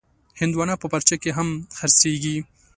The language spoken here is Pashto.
هندوانه په پارچه کې هم خرڅېږي.